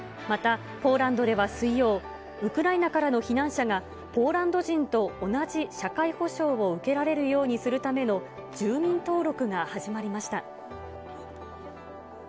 また、ポーランドでは水曜、ウクライナからの避難者が、ポーランド人と同じ社会保障を受けられるようにするための住民登録が始まりました。